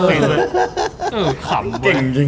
เออสเปนด้วย